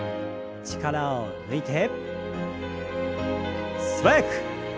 力を抜いて素早く。